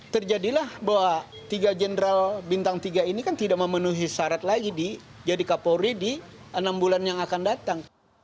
terjadilah bahwa tiga jenderal bintang tiga ini kan tidak memenuhi syarat lagi jadi kapolri di enam bulan yang akan datang